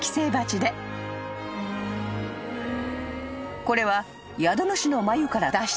［これは宿主の繭から脱出した繭］